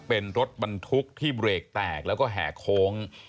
เป็นรถบรรทุกที่เบรกแตกแล้วก็แห่โค้ง